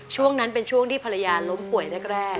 ช่วงนั้นเป็นช่วงที่ภรรยาล้มป่วยแรก